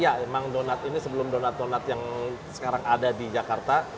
ya emang donat ini sebelum donat donat yang sekarang ada di jakarta